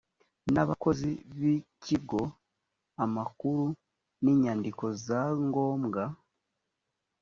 n abakozi b ikigo amakuru n inyandiko za ngombwa